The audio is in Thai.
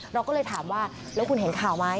เราก็เลยถามว่าแล้วคุณเห็นข่าวไหม